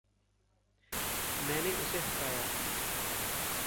मैंने उसे हसाया।